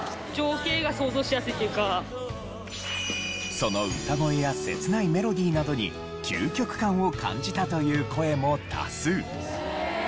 その歌声や切ないメロディーなどに究極感を感じたという声も多数。